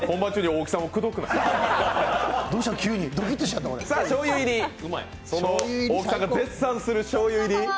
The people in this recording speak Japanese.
大木さんが絶賛するしょうゆ入り。